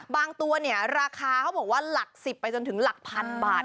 ตัวเนี่ยราคาเขาบอกว่าหลัก๑๐ไปจนถึงหลักพันบาท